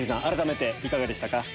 改めていかがでした？